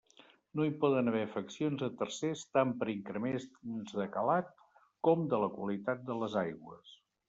No hi poden haver afeccions a tercers tant per increments de calat com de la qualitat de les aigües.